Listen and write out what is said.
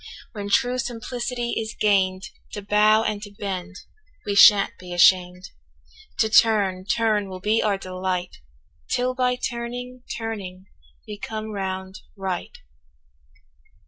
When true simplicity is gain'd, To bow and to bend we shan't be asham'd, To turn, turn will be our delight 'Till by turning, turning we come round right.